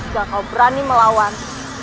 jika kau berani melawan